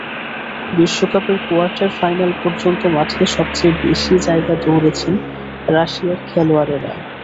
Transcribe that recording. বিশ্বকাপের quarter final পর্যন্ত মাঠে সবচেয়ে বেশি জায়গা দৌড়েছেন রাশিয়ার খেলোয়াড়েরা।